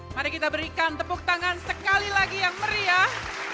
mari kita berikan tepuk tangan sekali lagi yang meriah